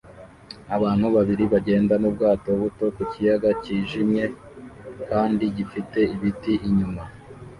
Abantu babiri bagenda mu bwato buto ku kiyaga cyijimye kandi gifite ibiti inyuma